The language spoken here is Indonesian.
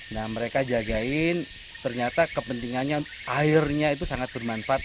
nah mereka jagain ternyata kepentingannya airnya itu sangat bermanfaat